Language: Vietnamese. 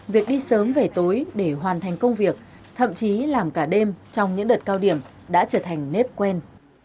việc đi sớm về tối để hoàn thành công việc thậm chí làm cả đêm trong những đợt cao điểm đã trở thành nếp quen